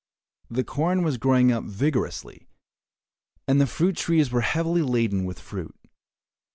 The corn was growing up vigorously and the fruit trees were heavily laden with fruit.